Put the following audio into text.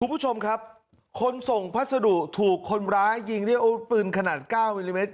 คุณผู้ชมครับคนส่งพัสดุถูกคนร้ายยิงด้วยอาวุธปืนขนาด๙มิลลิเมตร